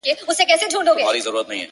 • ښکاري وایې دا کم اصله دا زوی مړی,